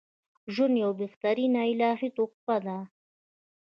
ژوند یوه بهترینه الهی تحفه ده